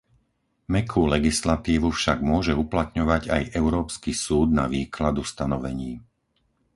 Mäkkú legislatívu však môže uplatňovať aj Európsky súd na výklad ustanovení.